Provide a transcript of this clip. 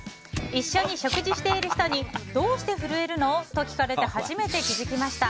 一緒に食事している人にどうして震えるの？と聞かれて初めて気づきました。